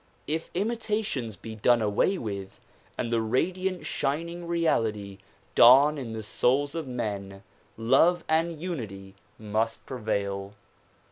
If imitations be done away with and the radiant shining reality dawn in the souls of men love and unity must prevail.